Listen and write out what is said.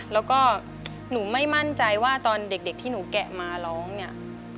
แล้วก็หนูไม่มั่นใจว่าตอนเด็กที่หนูแกะมาร้องเนี่ย